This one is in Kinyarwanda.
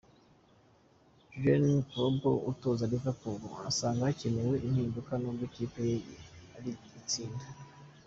Jurgen Klopp utoza Liverpool asanga hakenewe impinduka n'ubwo ikipe ye iri gutsinda.